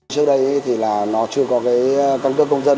trước đây thì là nó chưa có cái căn cước công dân